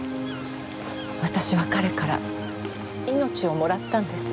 私は彼から命をもらったんです。